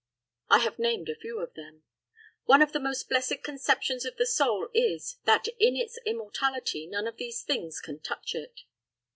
I have named a few of them. One of the most blessed conceptions of the soul is, that in its immortality none of these things can touch it.